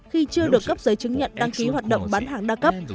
khi chưa được cấp giấy chứng nhận đăng ký hoạt động bán hàng đa cấp